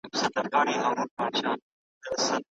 اسلام د خطاګانو کفارې د مرييانو او مينځيانو ازادول وټاکل